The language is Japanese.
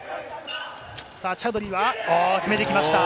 チャウドリーは決めてきました。